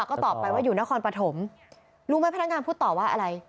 ก็ตอบไปว่าอยู่นครปฐมรู้ไหมพนักงานพูดต่อว่าอะไร